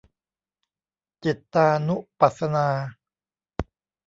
จิตตานุปัสสนา